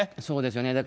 そうですよね。